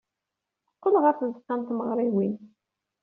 Teqqel ɣer tzeɣɣa n tmeɣriwin.